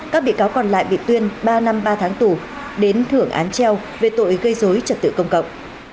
các bị cáo còn lại bị tuyên ba năm ba tháng tù đến thưởng án treo về tội gây dối trật tự công cộng